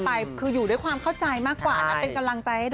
ก็ขอแค่เป็นความเข้าใจเป็นความเห็นใจ